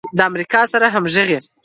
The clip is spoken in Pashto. د امریکا سره همغږي